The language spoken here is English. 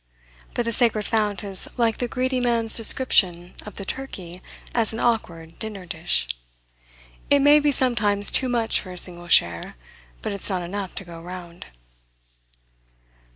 But the sacred fount is like the greedy man's description of the turkey as an 'awkward' dinner dish. It may be sometimes too much for a single share, but it's not enough to go round."